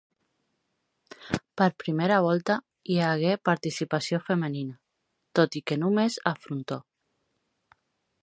Per primera volta, hi hagué participació femenina, tot i que només a frontó.